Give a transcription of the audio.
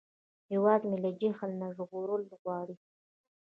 هیواد مې له جهل نه ژغورل غواړي